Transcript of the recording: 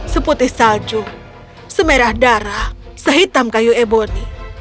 seputih salju semerah darah sehitam kayu eboni